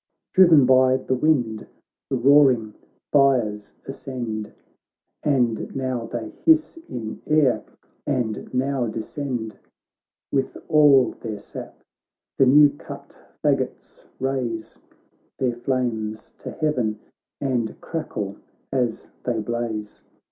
BOOK III 21 Driven by the wind, the roaring fires ascend, And now they hiss in air, and now descend ; With all their sap, the new cut faggots raise Their flames to heaven, and crackle as they blaze.